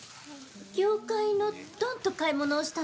業界のドンと買い物をしたの？